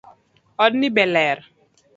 Od ni be ler?